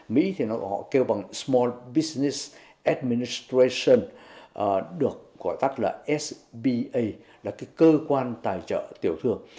mỹ thì họ kêu bằng small business administration được gọi tắt là sba là cơ quan tài trợ tiểu thường